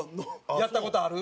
やった事ある？